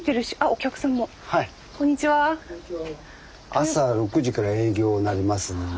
朝６時から営業になりますんで。